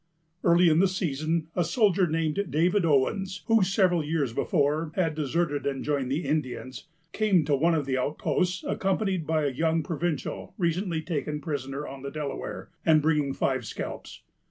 ] Early in the season, a soldier named David Owens, who, several years before, had deserted and joined the Indians, came to one of the outposts, accompanied by a young provincial recently taken prisoner on the Delaware, and bringing five scalps.